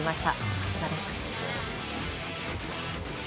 さすがです。